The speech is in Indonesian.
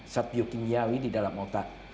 satyo kimiawi di dalam otak